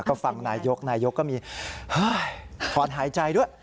ก็ฟังนายกนายกก็มีถอนหายใจด้วย